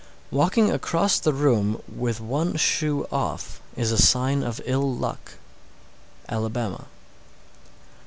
_ 629. Walking across the room with one shoe off is a sign of ill luck. _Alabama.